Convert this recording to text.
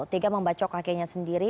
tiga membacok kakenya sendiri